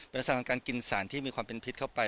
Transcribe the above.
ลักษณะของการกินสารที่มีความเป็นพิษเข้าไป